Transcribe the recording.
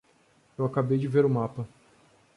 Eu acabei de ver o mapa.